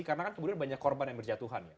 karena kan kemudian banyak korban yang berjatuhan ya